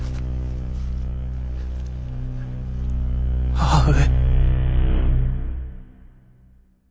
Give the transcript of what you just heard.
母上。